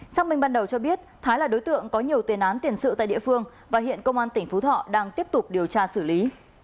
xác minh ban đầu cho biết thái là đối tượng có nhiều tiền án tiền sự tại địa phương và hiện công an tỉnh phú thọ đang tiếp tục điều tra xử lý